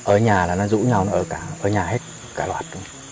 ở nhà là nó rũ nhau ở nhà hết cả loạt